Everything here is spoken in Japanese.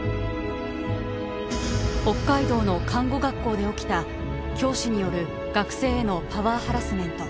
北海道の看護学校で起きた教師による学生へのパワーハラスメント。